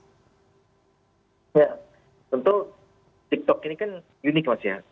tiktok ini kan unik mas ya